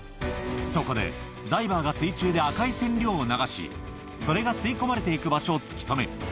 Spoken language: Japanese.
そこで、ダイバーが水中で赤い染料を流し、それが吸い込まれていく場所を突き止める。